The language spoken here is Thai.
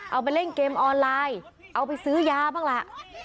เอาไปเล่นเกมออนไลน์เอาไปซื้อยาบ้างล่ะ